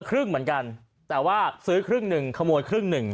ครึ่งเหมือนกันแต่ว่าซื้อครึ่งหนึ่งขโมยครึ่งหนึ่ง